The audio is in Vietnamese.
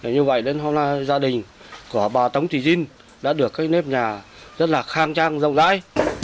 như vậy đến hôm nay gia đình của bà tống thị diên đã được các nếp nhà rất là khang trang rộng rãi